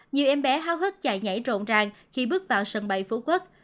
nhiều em bé háo hức chạy nhảy rộn ràng khi bước vào sân bay phú quốc